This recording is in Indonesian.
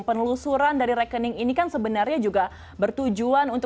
penelusuran dari rekening ini kan sebenarnya juga bertujuan untuk